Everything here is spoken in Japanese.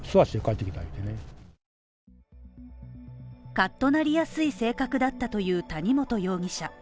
カッとなりやすい性格だったという谷本容疑者。